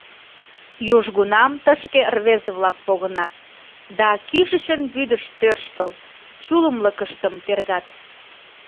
Южгунам тышке рвезе-влак погынат да, кӱшычын вӱдыш тӧрштыл, чулымлыкыштым тергат.